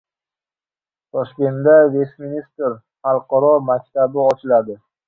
Toshkentda Vestminster xalqaro maktabi ochiladi